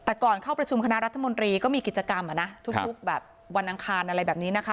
แต่ก่อนเข้าประชุมคณะรัฐมนตรีก็มีกิจกรรมทุกแบบวันอังคารอะไรแบบนี้นะคะ